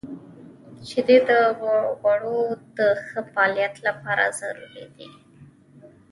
• شیدې د غړو د ښه فعالیت لپاره ضروري دي.